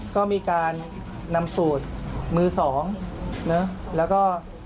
ก็มีการนำสูตรมือ๒แล้วก็